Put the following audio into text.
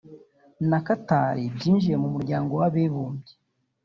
na Qatar byinjiye mu muryango w’abibumbye